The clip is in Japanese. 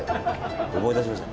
思い出しました。